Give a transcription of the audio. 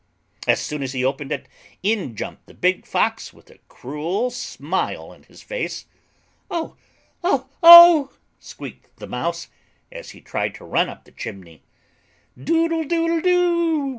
As soon as he opened it in jumped the big Fox, with a cruel smile upon his face! "Oh! oh! oh!" squeaked the Mouse as he tried to run up the chimney. "Doodle doodle do!"